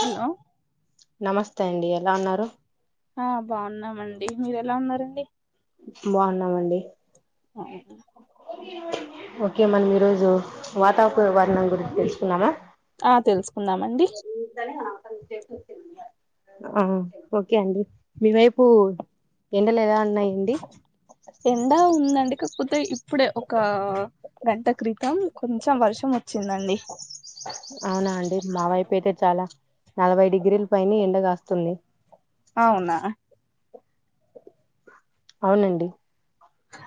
Hello నమస్తే అండి ఎలా ఉన్నారు ఆ బాగున్నామండి మీర ఎలా ఉన్నారండి బాగున్నామండి అ ఒకే మనం ఈరోజు వాతావకు వరణం గురించి తెలుసుకున్నామా ఆ తెలుసుకుందామండి ఆ ఒకే అండి మీవైపు ఎండలు ఎల ఉన్నాయి ఎండా ఉందండి పోతే ఇప్పుడే ఒక గంట క్రితం కొంచెం వర్షం వచ్చిందండి అవునా అండి మా వైపు అయితే చాలా నలభై డిగ్రీల పైనే ఎండగాస్తుంది అవునా అవునండి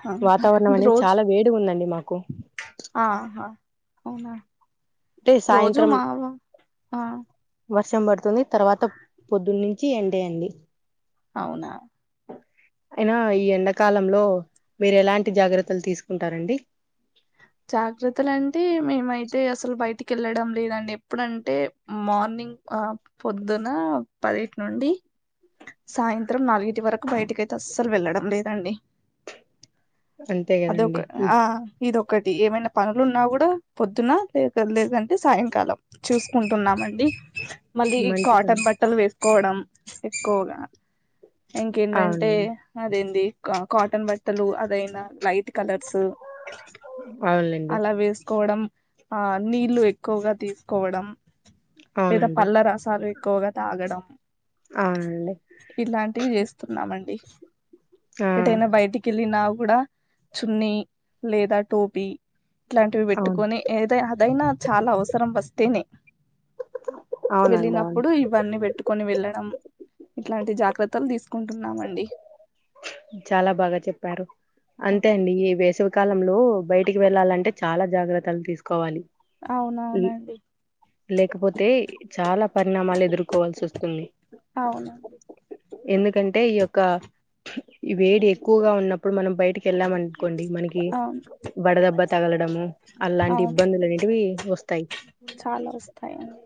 ఆ, వాతావరణం అనేది రోజు చాలా వేడిగన్ దండి మాకు కు ఆహా అవునా అంటే రోజూ సాయంత్రం మావా ఆ వర్షం పడుతుంది తర్వాత పొద్దున్నుంచి ఎండే అండి అవునా అయినా ఈ ఎండాకాలంలో మీరు ఎలాంటి జాగ్రత్తలు తీసుకుంటారండి జాగ్రత్తలు అంటే మేమైతే అసలు బయటికి వెళ్ళడం లేదండి ఎప్పుడంటే మార్నింగ్ ఆ పొద్దున పదిటి నుండి సాయంత్రం నాలుగిటి వరకు బయటికి ఐతే అస్సలు వెళ్ళడం లేదండి అంతే అద ఒక కదండి ఈ ఆ ఇదొ ఒకటి ఏమైనా పనులు ఉన్నా కూడా పొద్దున లే లేదంటే సాయంకాలం చూసుకుంటున్నామండి మళ్ళీ మంచి పని కాటన్ బట్టలు వేస్త కోవడం ఎక్కువగా ఇంకేంటంటే అవునండి అదేంది కాటన్ బట్టలు అదైనా లైట్ కలర్సు అవునులేండి అలా వేసుకోవడం ఆ నీళ్లు ఎక్కువగా తీసుకోవడం లేదా అవునండి పళ్ళ రసాలు ఎక్కువగా తాగడం అవునండి. ఇలాంటివి చేస్తున్నామండి ఆ! ఎటైనా బయటికెళ్లినావ్ కూడా చున్నీ లేదా టోపి ఇట్లాంటివి అవును. పెట్టుకొని ఏద అదైనా చాలా అవసరం వస్తేనే అవునండి. అవును. వెళ్ళినప్పుడు ఇవన్నీ పెట్టుకు కొని వెళ్ళడం ఇట్లాంటి జాగ్రత్తలు తీసుకుంటున్నామండి చాలా బాగా చెప్పారు అంతే అండి ఈ వేసవి కాలంలో బయటికి వెళ్లాలంటే చాలా జాగ్రత్తలు తీసుకోవాలి ఉమ్ అవునవునండి లేకపోతే చాలా పరిణామాలు ఎదురు కోవాల్సి వస్తుంది అవునండి ఎందుకంటే ఈ యొక్క ఈ వేడి ఎక్కువగా ఉన్నప్పుడు మనం బయటికి కెళ్ళామనుకోండి మనకి అవును వడదెబ్బ తగలడము అలాంటి అవును ఇబ్బందులు అనేటివి వస్తాయి చాలా వస్తాయండి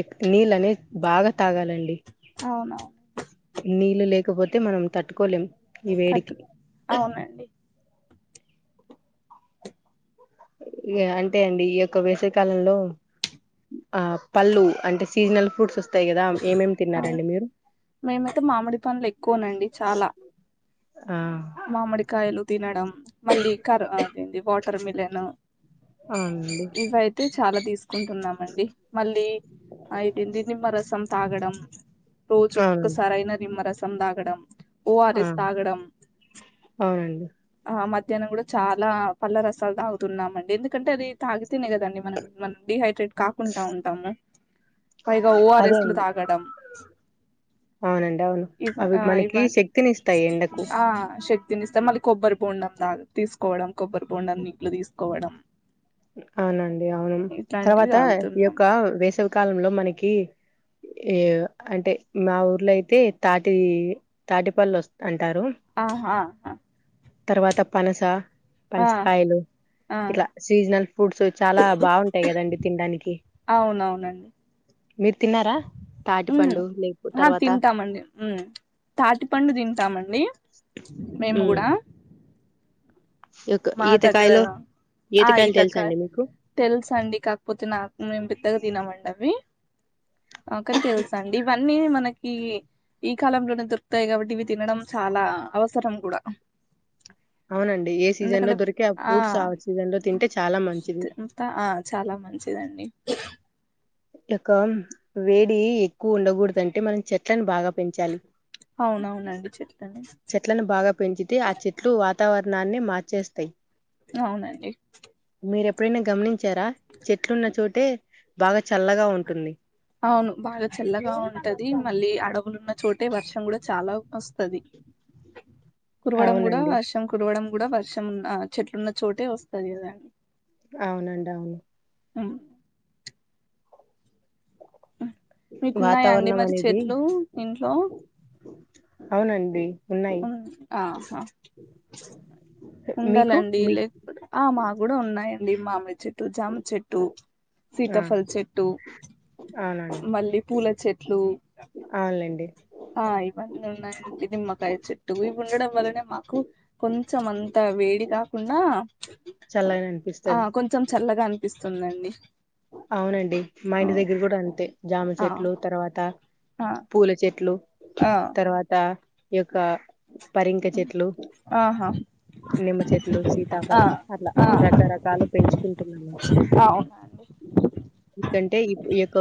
ఎక్ నీళ్ళు అనేవి బాగా తాగాలండి అవునవును నీళ్ళు లేకపోతే మనం తట్టుకోలేం ఈ వేడికి. తట్టు అవునండి ఐగా అంటే అండి ఈ యొక్క వేసవి కాలంలో ఆ పళ్ళు అంటే సీజనల్ ఫ్రూట్స్ వస్తా ఆ మేమైతే మామిడి పండ్లు ఎక్కువనండి చాలా ఆ మామిడి కాయలు తినడం మళ్ళీ కరు ఆ ఏంది వాటర్ మిలన్ అవునండి ఇవయితే చాలా తీసు కుంటున్నామండి మళ్ళీ అయితేంది నిమ్మరసం తాగడం అవునండి రోజుకొక్కసారి అయిన నిమ్మరసం సం తాగడం ఆ ఓఆర్ఎస్ తాగడం అవునండి ఆ మధ్యాహ్నం కూడా చాలా పళ్ళ రసాలు తాగుతున్నామండి ఎందుకంటే అది తాగ్ తేనె కదండి మనకు మనం డిహైడ్రేట్ కాకుండా ఉంటాము పైగా అదే ఓఆర్ఎస్లు అండి తాగడం అవునండి అవును ఇవ అవి ఆ ఇవ మనకి శక్తిని ఇస్తాయి ఎండకు ఆ శక్తిని ఇస్తే మళ్ళీ కొబ్బరి బొండం దగా తీసుకోవడం కొబ్బరి బొండం నీళ్లు తీసుకోవడం అవునండి అవును ఇట్లాంటివి తర్వాత ఈ యొక్క తాగుతున్నాము వేస కాలంలో మనకి ఏ అంటే మా ఊర్లో అయితే తాటి తాటిపళ్ళు వస్తా ఆహా ఆహా, తర్వాత పనస ఆ పనస్కాయలు ఆ ఇట్లా సీజనల్ ఫుడ్స్ చాలా బాగుంటాయి కదండి తినడానికి అవునవునండి మీరు తిన్నారా ఉమ్ తాటిపండు లేపు ఆహా తర్వాత తింటామండి ఉమ్ తాటిపండు తింటామండి మేము ఉమ్ కూడా యొక మా ఈతకాయలో దగ్గరనా ఆ ఈతకాయలు ఈతక తెలుసా అండి మీకు తెల్సండి కాకపోతే నాక్ మేము పెద్దగా తినమండి అవి కని తెలుసండి ఇవన్నీ మనకి ఈ కాలంలోనే దొరుకుతాయి కాబట్టి ఇవి తినడం చాలా అవసరం కూడా అవునన్ ఏ సీజన్ లో ఎందుకంటే దొరికే ఆ ఫ్రూట్స్ ఆ సీజన్ లో తింటే చాలా మంచిది తింటా ఆ చాలా మంచిదండి యొక్కం వేడి ఎక్కువ ఉండకూడదు అంటే మనం చెట్లని బాగ్ పెంచాలి అవునవునండి చెట్లని చెట్లను బాగా పెంచితే ఆ చెట్లు వా వాతావరణాన్ని మార్చేస్తాయి అవునండి మీరు ఎప్పుడైనా గమనించారా చెట్లున్న చోటే బాగా చల్లగా ఉంటుంది అవును బాగా చల్లగా ఉంటది మళ్ళీ అడవులున్ చోటే వర్షం కూడా చాలా వస్తది కురవడం కూడా అవునండి వర్షం కురవడం కూడా వర్షం ఆ చెట్లున్న చోటే వస్తది కదా అవునండి అవును ఉ మీకున్నాయా అండి వాతావరణం మరి అనేది చెట్లు ఇంట్లో అవునండి ఉన్నాయి ఉమ్ మీకు ఉండాలండి మీ లేక్ ఆ మా కూడా ఉన్నాయన్ డి మామిడి చెట్టు జామ చెట్టు ఆ సీతఫల్ చెట్టు అవునండి మళ్ళీ పూల చెట్లు అవునులేండి ఆ ఇవన్నీ ఉన్నాయి నిమ్మకాయ చెట్టు ఇవి ఉండడం వల్లనే మాకు కొంచెం అంత వేడి కాకుండా చల్లగానే ఆ అనిపిస్తది కొంచెం చల్లగా అని పిస్తుందండి అవునండి మా ఇంటి దగ్గర కూడా అంతే జామ చెట్లు ఆ తర్వాత పూల చెట్లు ఆ [inaudible] యొక్క, పరింక చెట్లు, ఆ ఆహా నిమ్మ చెట్లు ఆ సీతాఫలం. అట్లా ఆ రకరకాలు పెంచుకుంటున్నాము. అవునండి ఎందుకంటే ఈ ఈ యొక్క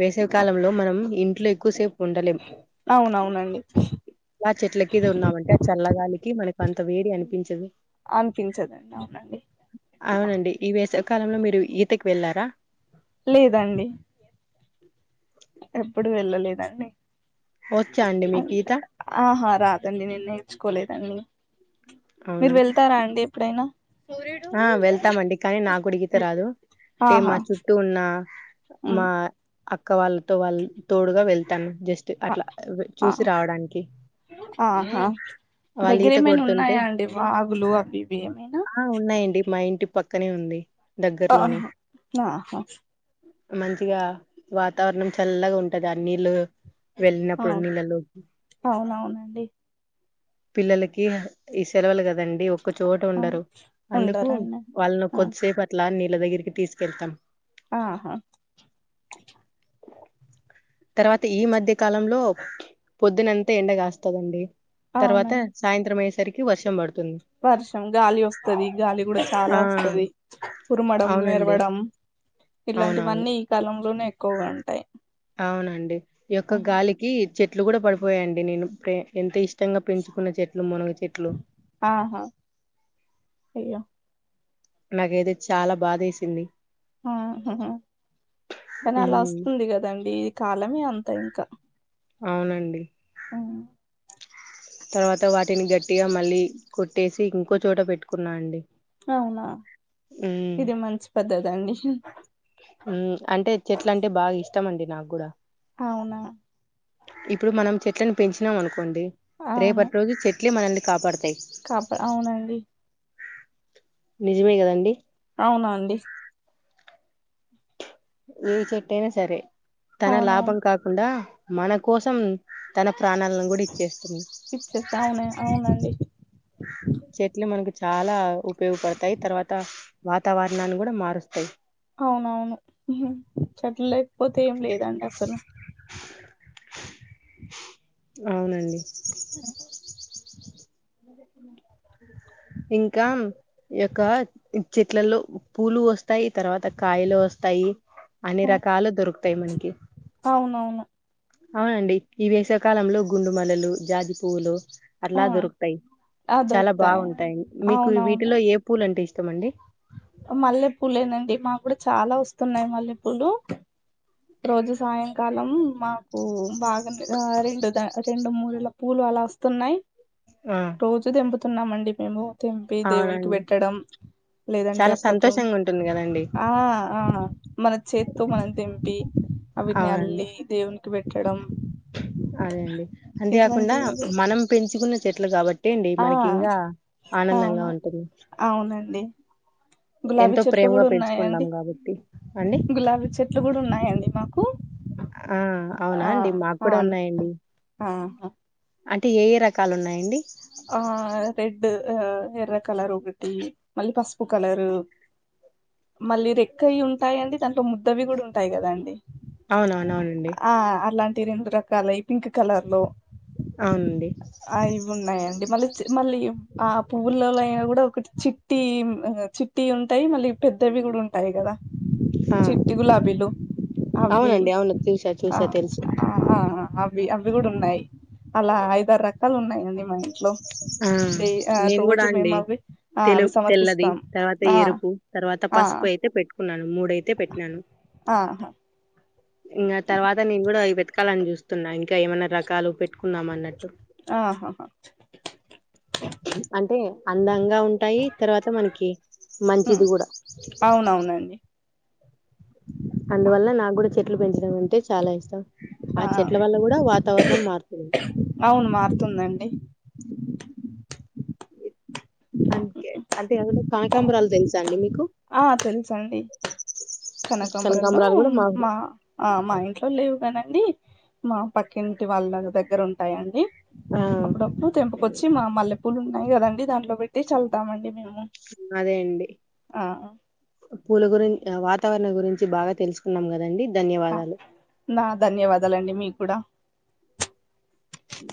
వేసవి కాలంలో మనం, ఇంట్లో ఎక్కువసేపు, ఉండలేం అవునవునండి అలా చెట్లకిద ఉన్నామంటే ఆ చల్లగాలికి మనకి అంత వేడి అని చదు అనిపించదండి అవునండి అవునండి ఈ వేసవి కాలంలో. మీరు ఈ [inaudible] వెళ్ళారా లేదండి, ఎప్పుడు వెళ్ళలేదండి, వచ్చా అండి మీకు ఈత ఆహా రాదండి నేను నేర్చుకోలేదు, ఉమ్ మీరు అవునా వెళ్తారా అండి ఎప్పుడైనా, ఆ వెళ్తామండి కానీ. నాకూడా ఈత రాదు అంటే. ఆహా మా చుట్టూ ఉన్న ఉమ్ మా, అక్క వాళ్ళతో వాల్, తోడుగా వెళ్తాను జస్ట్ అ అట్లా, ఆ చూసి రావడానికి ఆహా వాళ్ళు దగ్గర ఈత ఏమైనా కొడుతుంటే, ఉన్నాయా అండి వాగులు అవి ఇవి ఏమైనా ఉన్నాయండి. మా ఇంటి పక్కనే ఉంది, ఆహ దగ్గరలోనే అహ, మంచిగా వాతావరణం. చల్లగా ఉంటాది ఆ నీళ్లు, వెళ్ళినప్పుడు అవును నీళ్ళలోకి, అవునవునండి పిల్లలకి ఈ సెలవులు కదా, కదండీ ఒక్క చోట అవును ఉండరు, అందుకు ఉండరండి వాళ్ళను ఆ కొద్దిసేపు అట్లా, లా నీళ్ళ దగ్గరికి తీసుకెళ్తాం, ఆహా, తరువాత ఈ మధ్య, కాలంలో. పొద్దునంతా ఎండ కాస్తా దండి, తర్వాత అవునండి సాయంత్రం అయ్యేసరికి వర్షం పడుతుంది వర్షం గాలి వస్తది గాలి కూడా చాలా ఆ వస్తాది. ఉరుమడం అవునండి మెరవడం, అవునవును ఇలాంటివన్నీ. ఈ కాలంలోనే ఎ, ఎక్కువు గా ఉంటాయి, అవునండి. యొక్క గాలికి చెట్లు కూడా పడిపోయాయండి నేను ఇప్పుడే ఎంత ఇష్టం ఇష్టంగా పెంచుకున్న చెట్లు మునగ చెట్లు ఆహా అయ్యో నాకేదో చాలా బాదే సింది ఆ కానీ అలా ఉమ్ వస్తుంది కదండి ఇది కాలమే అంత ఇంకా అవునండి హమ్ తర్వాత వాటిని గట్టిగా మళ్ళీ కొట్టేసి ఇంకో చోట పెట్టుకున్నా అండి అవునా ఇది మంచి పద్ధతి అండి హమ్ అంటే చెట్లంటే బాగా ఇష్టం అండి నాకు కూడా అవునా ఇప్పుడు మనం చెట్లను పెంచినామ్ అనుకో అండి అవును రేపట్ రోజు చెట్ చెట్లే మనల్ని కాపాడుతాయి కాప అవునండి నిజమే కదండి అవునా అండి ఏ చెట్టైనా సరే తన లాభం అవునవును కాకుండా మన కోసం తన ప్రాణాలను కూడా ఇచ్చేస్తుంది ఇచ్చేస్ అవును అవునండి చెట్లు మనకు చాలా ఉపయోగపడతయి తర్వాత వాతావరణాన్ని కూడా మారుస్తయి అవునవును హు చెట్లు లేకపోతే ఏం లేదండి అసలు అవునండి ఇంకా యొక్క చెట్లలో పూలు వస్తాయి తర్వాత కాయలు వస్తాయి అన్ని ఆ, రకాలు దొరుకు మనకి అవునవును అవునండి ఈ వేసవకాలంలో గుండు మల్లెలు జాజి పువ్వులు ఆ అట్లా దొరుకుతాయ్ ఆ చాలా దొరుకుతాయి బాగుంటాయి మీకు వీటిలో ఏ పూలు అంటే ఇష్ట చేస్తామండి మల్లెపూలేనండి మా కూడా చాలా వస్తున్నాయి మల్లెపూలు రోజు సాయం కాలం మాకు బాగా ఉండది రెండుద రెండు మూరేల పూలు అలా అస్తున్నాయి ఆ రోజు తెంపు తున్నామండి మేము తెంపి దేవునికి అవునండి పెట్టడం, లేదంటే చాలా అప్పుడప్పుడు సంతోషంగా ఉంటుంది కదండి ఆ ఆ మన చేత్తో మనం తెంపి అవిట్ని అవునండి అల్లి దేవుని కి పె ట్టడం అదే అండి అంతేకాకుండా మనం పెంచుకున్న చెట్లు కాబట్టి అండి ఆ మనకి ఇంకా ఆనందంగా అవును ఉంటుంది. అవునండి గులాబీ ఎంతో చెట్లు ప్రేమగా కూడా ఉన్నాయండి పెంచుకుంటాం కాబట్టి అండి. కు ఆ అవునా అండి మాకు ఆ కూడా ఉన్నాయండి ఆహా అంటే ఏ ఏ రకాలు ఉన్నాయండి? ఆ రెడ్ ఆ ఎర్ర కలర్ ఒకటి, మళ్ళీ పసుపు కలరు. మళ్ళీ రెక్కయీ ఉంటాయి అండి దాంట్లో ము ద్దవి కూడా ఉంటాయి కదం డి అవునవున అవునండి ఆ అలాం తి [unintelligible] రకాలయి పింక్ కలర్ లో అవునండి ఆ ఇవి ఉన్నాయం మళ్ళీ చి మళ్ళీ ఆ పువ్వులల్లో అయినా కూడ ఒకటి చిట్టీ ఆ చి టీ ఉంటాయి మళ్ళీ పెద్దవి కూడ ఉంటాయి కదా, ఆ చిట్టి గులాబీలు అవి అవునండి అవును చూసా ఆ చూసా తెలుసు ఆ అవి అవి కూడ ఉం న్నాయి అలా ఐదారు రకాలు ఉన్నాయండి మా ఇంట్లో ఆ డే ఆ నేను కూడా రోజు మేము అండి అవి ఆ తెలు అవి తెల్లది సమర్పిస్తాం తర్వాత, ఆ ఎరుపు తర్వాత, ఆ పసుపు అయితే పెట్టు కున్నాను మూడైతే పెట్టినాను ఆహా ఇంగ తర్వాత నేన్ గూడా అయి పెట్టు ట్టాలని చూస్తున్నా ఇంకా ఏమన్నా రకాలు పెట్టుకుందాం అన్నట్టు. ఆ హాహా అంటే అందం గా ఉంటాయి, తర్వాత మనకి మంచిది ఉమ్ కూడ. అవునవునండి అందువల్ల నాక్కూడ చె ట్లు పెంచడం అంటే చాలా ఇష్టం ఆ చెట్ల వల్ల కూడా వాతావరణం మారుతుంది అవును మారుతుందండి అందుకే అంటే ఏదనా కానకాంబరాలు తెలుసా అండి మీకు ఆ తెలుసండి కనకంబరలు కనకాంబరాలు కూడా మా ఆ మా ఇంట్లో లేవు కనక మా పక్కింటి వాళ్ళ దగ్గర ఉంటాయిడి ఆ అప్పుడప్పుడు తెంపకొచ్చి మా మల్లె పూలు ఉన్నాయి కదండి దాంట్లో పెట్టి చల్తామండి మేము అదే అండి ఆ వాతావరణం గురించి బాగా తెలుసుకున్నాం కదండి ధన్యవాదాలు నా ధన్యవాదాలండి మీకు కుడ అ